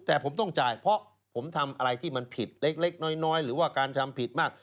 แต่ผมต้องจ่ายเพราะผมทำอะไรที่มันผิดเล็กน้อยหรือว่าการทำผิดมาก